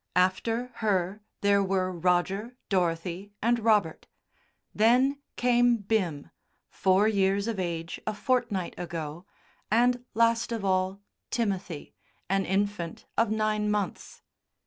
After her there were Roger, Dorothy, and Robert. Then came Bim, four years of age a fortnight ago, and, last of all, Timothy, an infant of nine months.